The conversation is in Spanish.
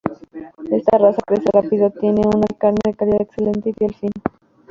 Esta raza crece rápido, tiene una carne de calidad excelente y piel fina.